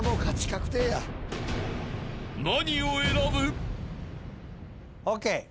［何を選ぶ？］ＯＫ。